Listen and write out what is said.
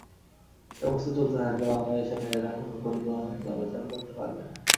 এ অবস্থা চলতে থাকলে বাংলাদেশে মেয়েরা গণপরিবহনে চলাচল করতে পারবে না।